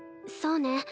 そうね。